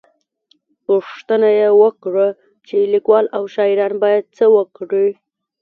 _پوښتنه يې وکړه چې ليکوال او شاعران بايد څه وکړي؟